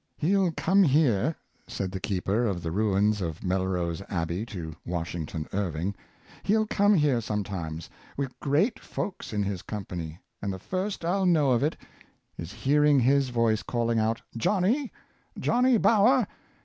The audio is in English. " He'll come here," said the keeper of the ruins of Melrose Abbey to Washington Irving —" he'll come here some times, wi' great folks in his company, and the first I'll know of it is hearing his voice calling out, ^Johnny! Johnny Bower!'